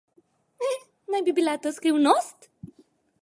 Naj bi to bila skrivnost?